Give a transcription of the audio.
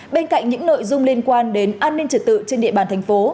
bên cạnh những nội dung liên quan đến an ninh trật tự trên địa bàn thành phố